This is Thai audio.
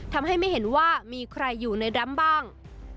ทำให้ไม่เห็นว่ามีใครอยู่ในดำบ้าง